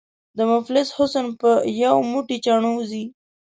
د مفلس حسن په یو موټی چڼو ځي.